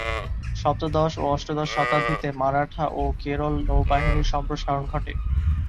সপ্তদশ ও অষ্টাদশ শতাব্দীতে মারাঠা ও কেরল নৌবাহিনীর সম্প্রসারণ ঘটে।